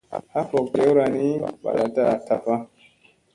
Ha fok jewra ni balada taffa.